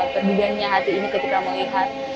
perbedaannya hati ini ketika melihat